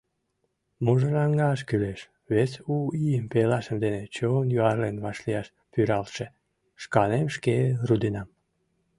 Мужыраҥаш кӱлеш, вес У ийым пелашем дене чон юарлен вашлияш пӱралтше», — шканем шке руденам.